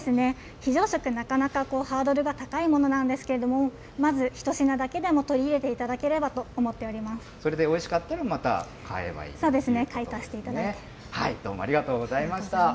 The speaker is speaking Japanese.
非常食、なかなかハードルが高いものなんですけれども、まず一品だけでも取り入れていただければそれでおいしかったらまた買そうですね。